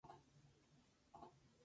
El huevo es el mundo.